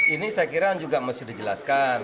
ini saya kira juga mesti dijelaskan